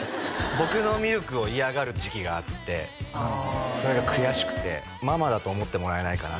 僕のミルクを嫌がる時期があってそれが悔しくてママだと思ってもらえないかな？